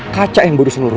kaca yang bodoh senerusakin